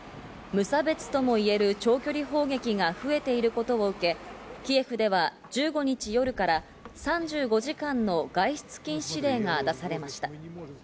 無差別ともいえる長距離砲撃が増えていることを受け、キエフでは１５日夜から３５時間の外出禁止令が出されました。